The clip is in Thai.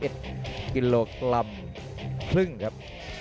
๕๑๕กิโลกรัมครับ